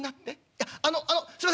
「いやあのあのすいません！